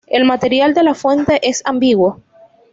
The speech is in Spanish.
El material de la fuente es ambiguo.